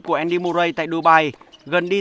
của andy murray tại dubai gần đi